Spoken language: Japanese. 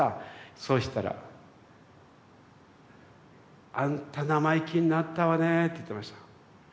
そうしたら「あんた生意気になったわねぇ」って言ってました。